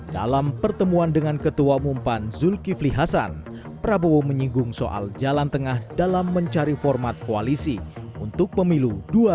dalam pertemuan dengan ketua umum pan zulkifli hasan prabowo menyinggung soal jalan tengah dalam mencari format koalisi untuk pemilu dua ribu sembilan belas